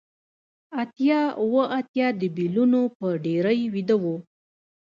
اتیا اوه اتیا د بیلونو په ډیرۍ ویده و